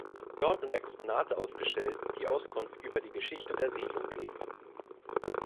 Dort sind Exponate ausgestellt, die Auskunft über die Geschichte der Siedlung geben.